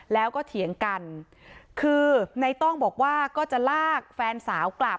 แล้วก็เถียงกันคือในต้องบอกว่าก็จะลากแฟนสาวกลับ